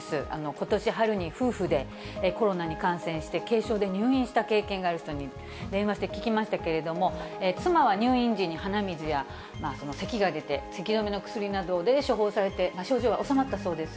ことし春に夫婦でコロナに感染して軽症で入院した経験がある人に電話して聞きましたけれども、妻は入院時に鼻水やせきが出て、せき止めの薬などを処方されて、症状は治まったそうです。